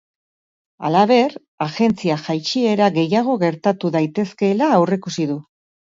Halaber, agentziak jaitsiera gehiago gertatu daitezkeela aurreikusi du.